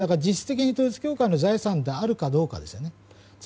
だから、実質的に統一教会の財産であるかどうかですね。